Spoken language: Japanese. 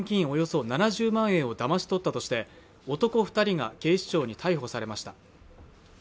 およそ７０万円をだまし取ったとして男二人が警視庁に逮捕されました